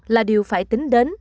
là điều phải tính đến